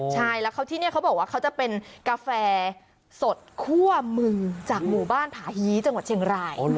ใช่แล้วเขาที่นี่เขาบอกว่าเขาจะเป็นกาแฟสดคั่วมึงจากหมู่บ้านผาฮีจังหวัดเชียงราย